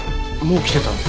もう来てたの？